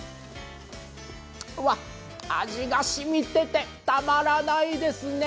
味がしみてて、たまらないですね！